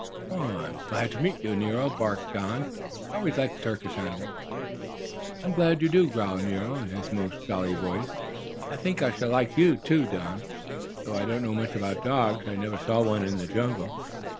"I'm glad to meet you, Nero," barked Don. "I always like circus animals." "I am glad you do," growled Nero, in his most jolly voice. "I think I shall like you, too, Don, though I don't know much about dogs. I never saw any in the jungle."